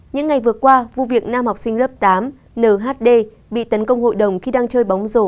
những ngày vừa qua vụ việc nam học sinh lớp tám nhd bị tấn công hội đồng khi đang chơi bóng rổ